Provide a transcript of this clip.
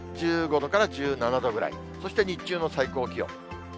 １５度から１７度ぐらい、そして日中の最高気温。